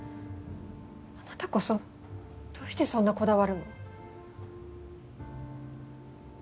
あなたこそどうしてそんなこだわるの？